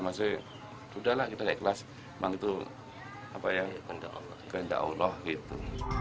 maksudnya sudah lah kita ikhlas emang itu apa ya kehendak allah gitu